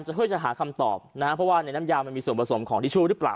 เพื่อจะหาคำตอบนะฮะเพราะว่าในน้ำยามันมีส่วนผสมของทิชชู่หรือเปล่า